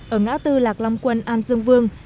ở ngã tư lạc lâm quân an dương vương